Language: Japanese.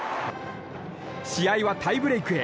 試合はタイブレークへ。